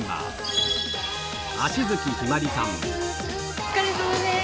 お疲れさまです。